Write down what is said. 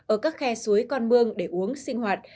ở các khe suối con mương để uống sinh hoạt